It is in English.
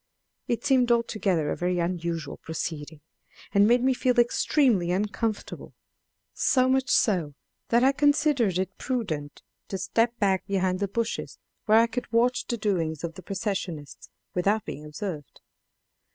It seemed altogether a very unusual proceeding, and made me feel extremely uncomfortable; so much so that I considered it prudent to step back behind the bushes, where I could watch the doings of the processionists without being observed.